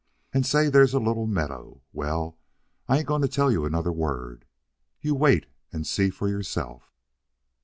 And, say, there's a little meadow well, I ain't going to tell you another word. You wait and see for yourself."